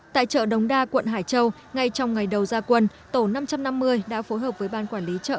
tại chợ đống đa quận hải châu ngay trong ngày đầu gia quân tổ năm trăm năm mươi đã phối hợp với ban quản lý chợ